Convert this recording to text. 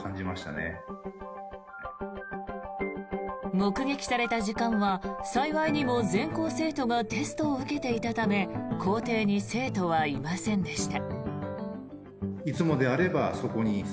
目撃された時間は幸いにも全校生徒がテストを受けていたため校庭に生徒はいませんでした。